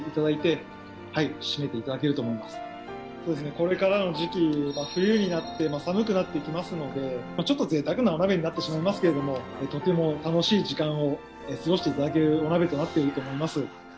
これからの時期、冬になって寒くなってきますのでちょっとぜいたくなお鍋になってしまいますけれどもとても楽しい時間を過ごしていただけるお鍋となっていると思います。